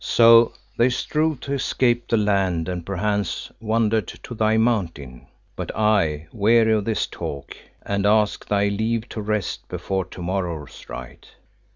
So they strove to escape the land, and perchance wandered to thy Mountain. But I weary of this talk, and ask thy leave to rest before to morrow's rite."